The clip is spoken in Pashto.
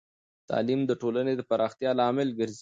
تعلیم د ټولنې د پراختیا لامل ګرځی.